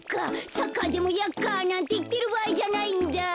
サッカーでもヤッカなんていってるばあいじゃないんだ。